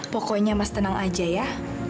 pokoknya mas tenang aja ya